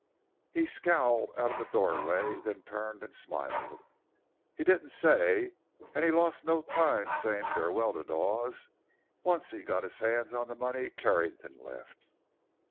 He scowled out of the doorway; then turned and smiled. "He didn't say. And he lost no time saying farewell to Dawes, once he got his hands on the money Carrington left."